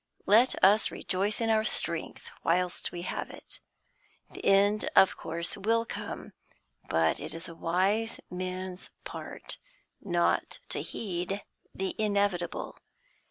Let us rejoice in our strength, whilst we have it. The end of course will come, but it is a wise man's part not to heed the inevitable.